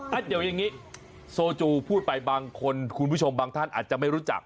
เดี๋ยวอย่างนี้โซจูพูดไปบางคนคุณผู้ชมบางท่านอาจจะไม่รู้จัก